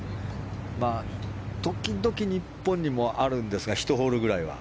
時々、日本にもあるんですが１ホールぐらいは。